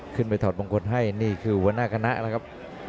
ขึ้นไปถอดบังคลให้นี่คือหัวหน้ากณะครับ